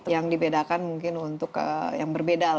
yang dibedakan mungkin untuk yang berbeda